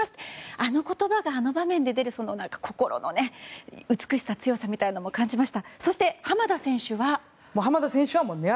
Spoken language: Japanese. あの言葉があの場面で出る心の美しさ、強さを感じました。